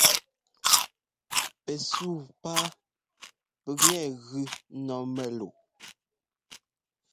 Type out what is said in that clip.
Pɛsuu páa pʉkŋɛ gʉ ɛ́nɔ́ mɛ́luʼ.